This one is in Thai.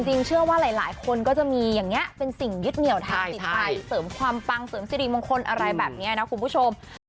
จริงเชื่อว่าหลายคนก็จะมีอย่างนี้เป็นสิ่งยึดเหนียวทางจิตใจเสริมความปังเสริมสิริมงคลอะไรแบบนี้นะคุณผู้ชม